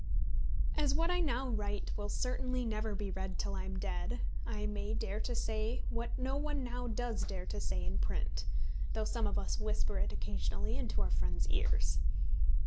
As what I now write will certainly never be read till I am dead, I may dare to say what no one now does dare to say in print, though some of us whisper it occasionally into our friends' ears.